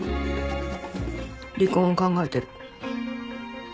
離婚を考えてる。